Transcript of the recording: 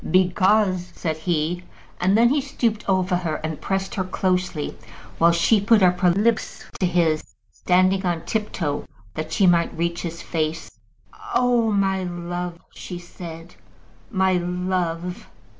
"Because ," said he; and then he stooped over her and pressed her closely, while she put up her lips to his, standing on tip toe that she might reach to his face. "Oh, my love!" she said. "My love!